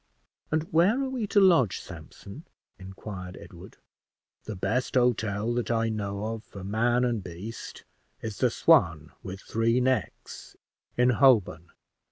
"And where are we to lodge, Sampson?" inquired Edward. "The best hotel that I know of for man and beast is the 'Swan with Three Necks,' in Holborn.